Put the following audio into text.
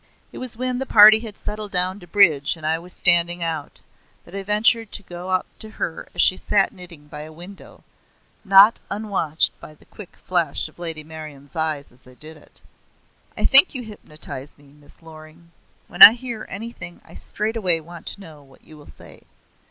It was when the party had settled down to bridge and I was standing out, that I ventured to go up to her as she sat knitting by a window not unwatched by the quick flash of Lady Meryon's eyes as I did it. "I think you hypnotize me, Miss Loring. When I hear anything I straightway want to know what you will say.